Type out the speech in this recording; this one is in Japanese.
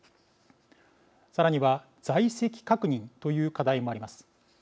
さらには、在籍確認という課題もあります。